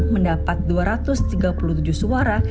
mendapat dua ratus tiga puluh tujuh suara